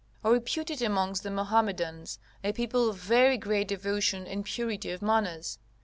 ] are reputed amongst the Mohammedans a people of very great devotion and purity of manners.